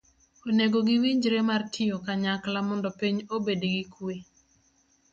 Onego giwinjre mar tiyo kanyakla mondo piny obed gi kwe.